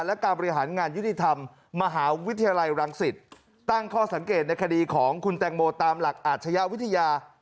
และการบริหารงานยุติธรรมมหาวิทยาลัยรังสิตตั้งข้อสังเกตในคดีของคุณแตงโมตามหลักอาชญาวิทยา